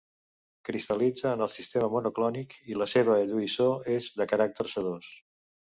Cristal·litza en el sistema monoclínic, i la seva lluïssor és de caràcter sedós.